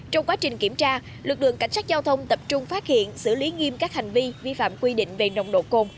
trong quá trình kiểm tra lực lượng cảnh sát giao thông tập trung phát hiện xử lý nghiêm các hành vi vi phạm quy định về nồng độ cồn